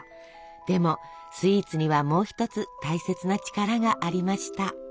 でもスイーツにはもう一つ大切な力がありました。